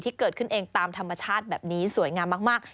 ที่เกิดขึ้นเองตามธรรมชาติแบบนี้สวยงามมาก